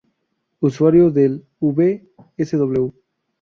Usuario del V-Sw.